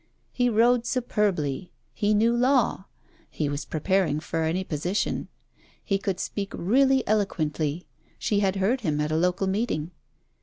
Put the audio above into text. He rode superbly: he knew Law: he was prepared for any position: he could speak really eloquently; she had heard him at a local meeting.